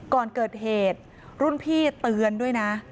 ก่อนเกิดเหตุรุ่นพี่เตือนด้วยนะ